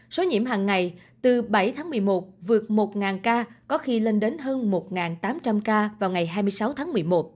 số nhiễm hàng ngày từ bảy tháng một mươi một vượt một ca có khi lên đến hơn một tám trăm linh ca vào ngày hai mươi sáu tháng một mươi một